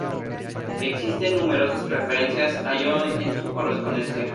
Existen numerosas referencias a ello en su correspondencia.